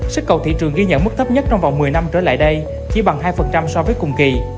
sức cầu thị trường ghi nhận mức thấp nhất trong vòng một mươi năm trở lại đây chỉ bằng hai so với cùng kỳ